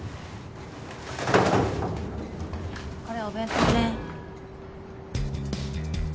これお弁当ね。